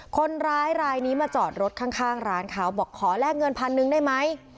คนร้ายรายนี้มาจอดรถข้างร้านเขาบอกขอแลกเงินพันหนึ่งได้ไหม